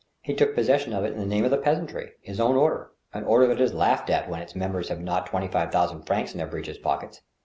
He took possession of it in the name of the , peasantry, his own order, an order that is laughed at when its mem bers have not twenty five thousand francs in their breeches pockets.